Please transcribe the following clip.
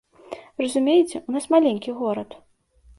Разумееце, у нас маленькі горад.